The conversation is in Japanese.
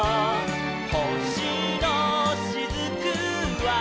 「ほしのしずくは」